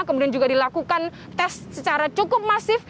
kemudian juga dilakukan tes secara cukup masif